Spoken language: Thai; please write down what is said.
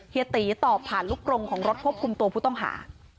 ตีตอบผ่านลูกกรงของรถควบคุมตัวผู้ต้องหา